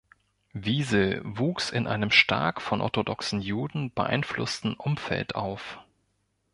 Wiesel wuchs in einem stark von orthodoxen Juden beeinflussten Umfeld auf.